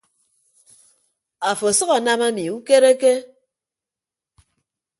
Afo asʌk anam ami ukereke.